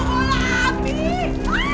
bina jangan tunggu api